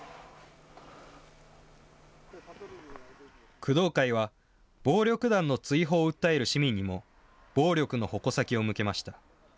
工藤会は、暴力団の追放を訴える市民にも、暴力の矛先を向けました。